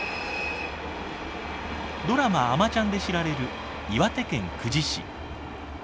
ドラマ「あまちゃん」で知られる岩手県久慈市。